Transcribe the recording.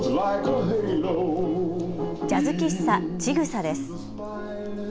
ジャズ喫茶、ちぐさです。